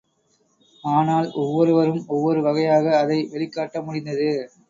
ஆனால், ஒவ்வொருவரும் ஒவ்வொரு வகையாக அதை வெளிக்காட்ட முடிந்தது.